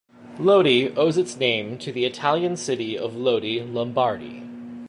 Lodi owes its name to the Italian city of Lodi, Lombardy.